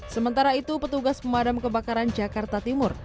sementara itu petugas pemadam kebakaran jakarta timur